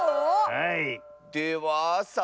はい。